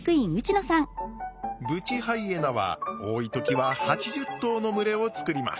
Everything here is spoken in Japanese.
ブチハイエナは多い時は８０頭の群れを作ります。